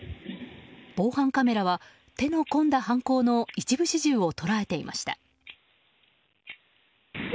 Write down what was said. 防犯カメラは、手の込んだ犯行の一部始終を捉えていました。